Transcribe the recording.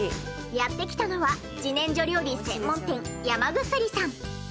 やって来たのは自然薯料理専門店「山薬」さん。